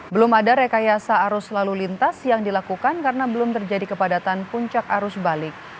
belum ada rekayasa arus lalu lintas yang dilakukan karena belum terjadi kepadatan puncak arus balik